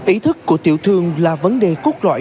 ý thức của tiểu thương là vấn đề cốt lõi